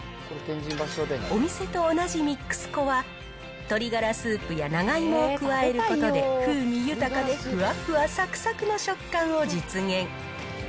お店と同じミックス粉は、鶏がらスープや長芋を加えることで、風味豊かでふわふわさくさくの食感を実現。